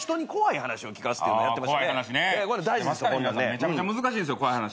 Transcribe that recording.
めちゃくちゃ難しいです怖い話。